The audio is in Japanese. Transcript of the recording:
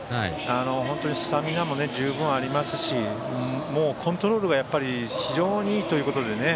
本当にスタミナも十分ありますしコントロールが非常にいいということでね。